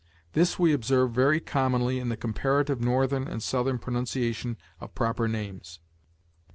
This we observe very commonly in the comparative Northern and Southern pronunciation of proper names.